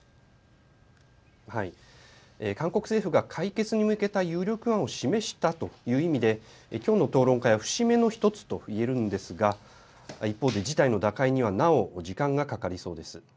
韓国政府が解決に向けた有力案を示したという意味で今日の討論会は節目の１つと言えるんですが一方で事態の打開にはなお時間がかかりそうです。